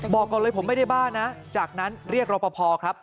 บอกก่อนเลยผมไม่ได้บ้านะจากนั้นเรียกรอปภครับ